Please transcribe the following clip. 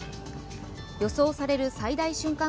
予想される最大瞬間